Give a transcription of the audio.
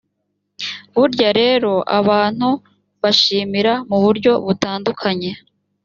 burya rero abantu bashimira mu buryo butandukanye